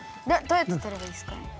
どうやってとればいいですか？